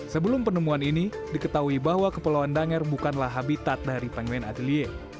sebelum penemuan ini diketahui bahwa kepulauan daner bukanlah habitat dari penguin adelie